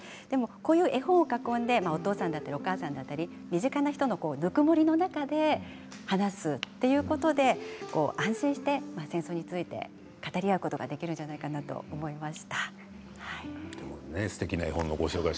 こういう絵本を囲んでお父さん、お母さんだったり身近な人の、ぬくもりの中で話すということで安心して戦争について語り合うことができるんじゃないすてきな絵本のご紹介